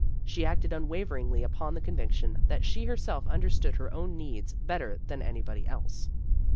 She acted unwaveringly upon the conviction that she herself understood her own needs better than anybody else.